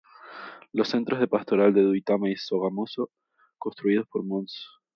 Los centro de Pastoral de Duitama y Sogamoso, construidos por Mons.